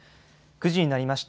９時になりました。